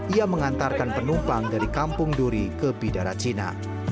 ia mengantarkan penumpang dari kampung duri ke bidara cina